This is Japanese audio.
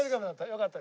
よかった。